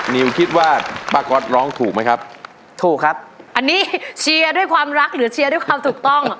นิวคิดว่าป้าก๊อตร้องถูกไหมครับถูกครับอันนี้เชียร์ด้วยความรักหรือเชียร์ด้วยความถูกต้อง